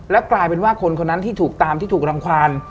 กลายเป็นว่าคนคนนั้นที่ถูกตามที่ถูกรังความ